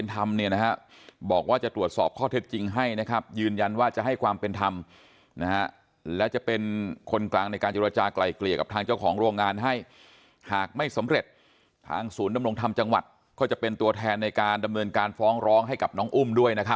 ถ้าคุณไม่ลดต้นทุนก็จะมีสภาพแบบนี้ไหม